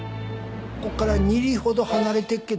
ここから２里ほど離れてっけどね。